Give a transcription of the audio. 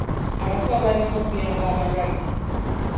Abasawo balina okuyamba abalwadde.